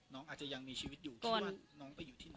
น้องอาจจะยังมีชีวิตอยู่ที่วัด